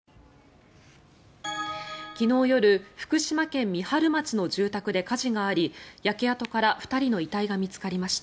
昨日夜、福島県三春町の住宅で火事があり焼け跡から２人の遺体が見つかりました。